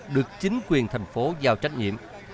được chính quyền thành phố giao trách nhiệm